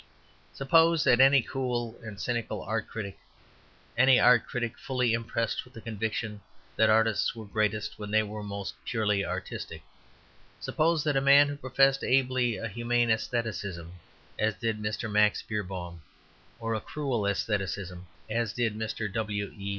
Suppose that any cool and cynical art critic, any art critic fully impressed with the conviction that artists were greatest when they were most purely artistic, suppose that a man who professed ably a humane aestheticism, as did Mr. Max Beerbohm, or a cruel aestheticism, as did Mr. W. E.